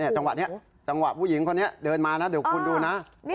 จังหวะนี้จังหวะผู้หญิงคนนี้เดินมานะเดี๋ยวคุณดูนะ